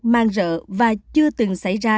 mang rợ và chưa từng xảy ra